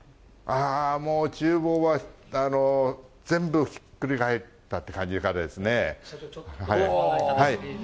もうちゅう房は、全部ひっくり返ったって感じですね。